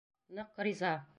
Ныҡ риза.